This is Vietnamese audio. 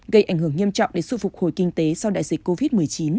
gây ảnh hưởng nghiêm trọng để sụp phục hồi kinh tế sau đại dịch covid một mươi chín